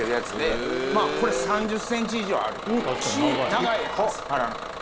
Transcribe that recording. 長いアスパラなんですよ。